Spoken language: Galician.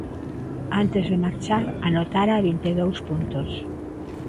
Antes de marchar anotara vinte e dous puntos.